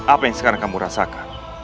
apa yang sekarang kamu rasakan